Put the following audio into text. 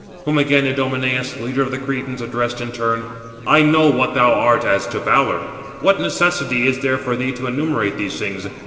Whom again Idomeneus, leader of the Cretans, addressed in turn: "I know what thou art as to valour: what necessity is there for thee to enumerate these things?